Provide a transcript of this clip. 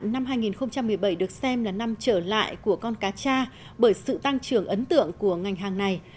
năm hai nghìn một mươi bảy được xem là năm trở lại của con cá cha bởi sự tăng trưởng ấn tượng của ngành hàng này